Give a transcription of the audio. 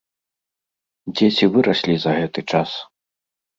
Дзеці выраслі за гэты час.